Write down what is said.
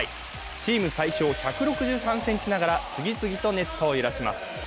チーム最小１６３ｃｍながら、次々とネットを揺らします。